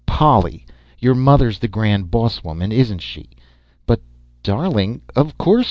_ Polly! Your mother's the grand boss woman, isn't she?" "But, darling ... of course.